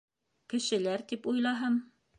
— Кешелер тип уйлаһам...